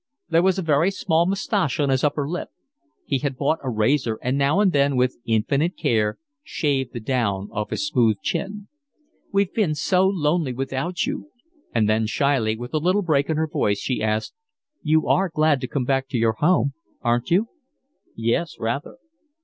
There was a very small moustache on his upper lip. He had bought a razor and now and then with infinite care shaved the down off his smooth chin. "We've been so lonely without you." And then shyly, with a little break in her voice, she asked: "You are glad to come back to your home, aren't you?" "Yes, rather."